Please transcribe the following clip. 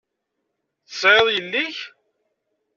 Tesεiḍ yelli-k?